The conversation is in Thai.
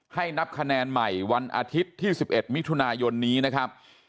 นับคะแนนใหม่วันอาทิตย์ที่๑๑มิถุนายนนี้นะครับ